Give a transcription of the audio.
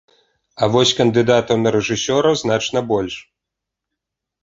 А вось кандыдатаў на рэжысёра значна больш.